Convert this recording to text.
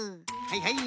はいはい。